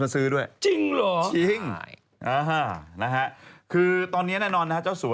เสียดายอะไร